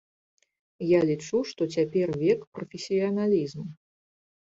Я лічу, што цяпер век прафесіяналізму.